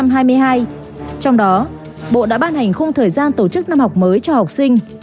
trong đó bộ đã ban hành khung thời gian tổ chức năm học mới cho học sinh